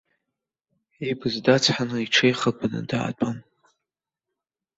Ибз дацҳаны, иҽеихагәаны даатәон!